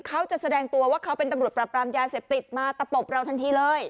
แสดงตัวว่าเขาเป็นตำรวจปรับปรามยาเสพติดมาตะปบเราทันทีเลย